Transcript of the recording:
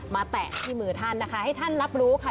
แตะที่มือท่านนะคะให้ท่านรับรู้ค่ะ